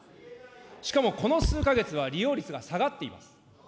しかもこの数か月は利用率が下がっています。